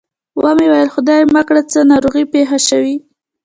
و مې ویل خدای مه کړه څه ناروغي پېښه شوې.